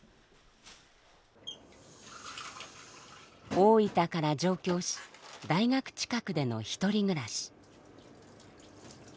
大分から上京し大学近くでの１人暮らし。